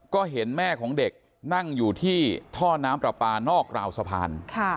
ก็เห็นแม่ของเด็กนั่งอยู่ที่ท่อน้ำปลาปลานอกราวสะพาน